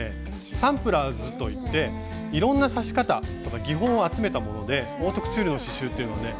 サンプラーズといっていろんな刺し方とか技法を集めたものでオートクチュールの刺しゅうっていうのはね